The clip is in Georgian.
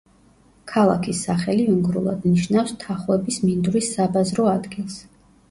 ქალაქის სახელი უნგრულად ნიშნავს „თახვების მინდვრის საბაზრო ადგილს“.